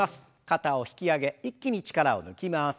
肩を引き上げ一気に力を抜きます。